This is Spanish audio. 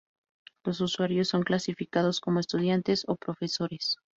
Los usuarios son clasificados como "estudiantes" o "profesores".